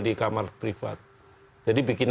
di kamar privat jadi bikin